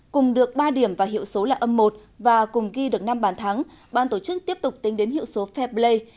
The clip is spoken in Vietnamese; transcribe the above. cùng được ba điểm và hiệu số là âm một và cùng ghi được năm bàn thắng bàn tổ chức tiếp tục tính đến hiệu số fair play